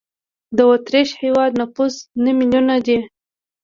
د اوترېش هېواد نفوس نه میلیونه دی.